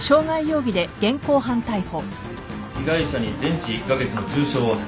被害者に全治１カ月の重傷を負わせた。